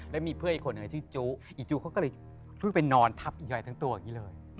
แล้วมีเพื่อนอีกคนหนึ่งชื่อจู้อีจูเขาก็เลยขึ้นไปนอนทับอียอยทั้งตัวอย่างนี้เลย